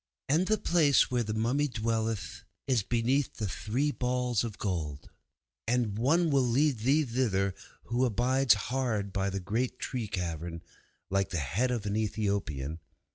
And the place where the mummy dwelleth is beneath the Three Balls of Gold. And one will lead thee thither who abides hard by the great tree carven like the head of an Ethiopian.